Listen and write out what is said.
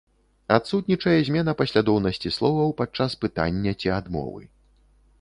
Адсутнічае змена паслядоўнасці словаў падчас пытання ці адмовы.